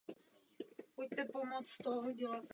V brazilských soutěžích strávil celou kariéru.